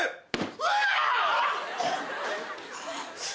うわ！